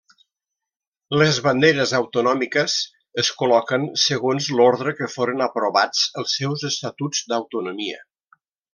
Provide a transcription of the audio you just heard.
Les banderes autonòmiques es col·loquen segons l'ordre que foren aprovats els seus estatuts d'autonomia.